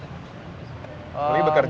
kya bapaker kosong wah power didekin ya semua